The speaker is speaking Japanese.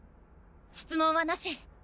質問はなし！